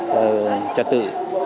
công an trật tự